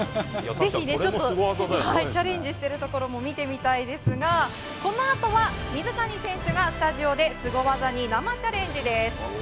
ぜひチャレンジしてるところも見てみたいですがこのあとは、水谷選手がスタジオでスゴ技に生チャレンジです。